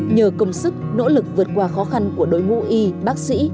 nhờ công sức nỗ lực vượt qua khó khăn của đội ngũ y bác sĩ